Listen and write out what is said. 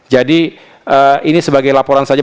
jadi ini sebagai laporan saja